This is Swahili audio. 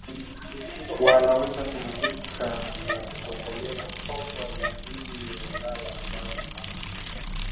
wanaweza kuridhika na kutokomeza hofu waliyo nayo ambayo mfano